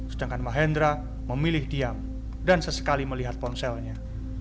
sedangkan mahendra memilih diam dan sesekali melihat ponselnya